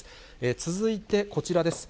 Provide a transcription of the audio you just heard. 続いて、こちらです。